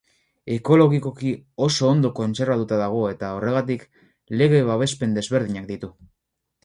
Ekologikoki oso ondo kontserbatuta dago eta, horregatik, lege-babespen desberdinak ditu.